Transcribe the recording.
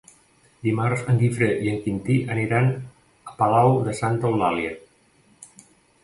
Dimarts en Guifré i en Quintí aniran a Palau de Santa Eulàlia.